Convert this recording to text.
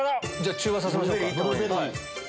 中和させましょうか。